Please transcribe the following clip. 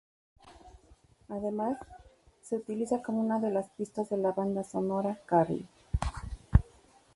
Además, se utiliza como una de las pistas de la banda sonora de "iCarly".